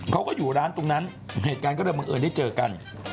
เขาก็อยู่ร้านตรงนั้นเหตุการณ์ก็เลยบังเอิญได้เจอกัน